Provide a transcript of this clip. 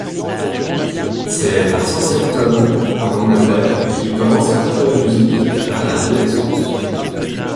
C'est à Southampton, en Angleterre, qu'il commence à faire de la musique, à l'adolescence.